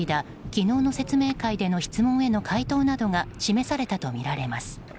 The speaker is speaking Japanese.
昨日の説明会での質問への回答などが示されたとみられます。